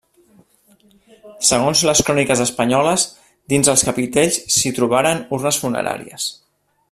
Segons les cròniques espanyoles, dins els capitells s'hi trobaren urnes funeràries.